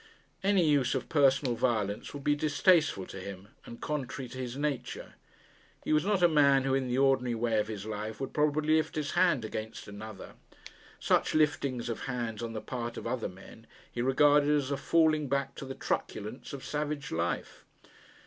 Any use of personal violence would be distasteful to him and contrary to his nature. He was not a man who in the ordinary way of his life would probably lift his hand against another. Such liftings of hands on the part of other men he regarded as a falling back to the truculence of savage life.